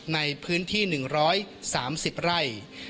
ในพื้นที่๑๓๐ไร่